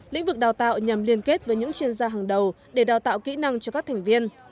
lĩnh vực đào tạo nhằm liên kết với những chuyên gia hàng đầu để đào tạo kỹ năng cho các thành viên